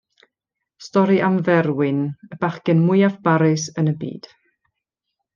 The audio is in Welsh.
Stori am Ferwyn, y bachgen mwyaf barus yn y byd.